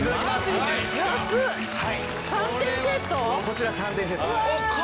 こちら３点セットです。